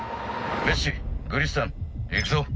ベッシグリスタン行くぞ。